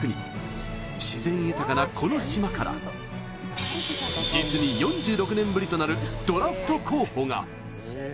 自然豊かなこの島から実に４６年ぶりとなるドラフト候補が。